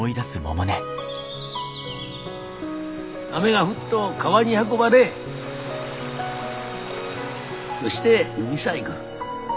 雨が降っと川に運ばれそして海さ行ぐ。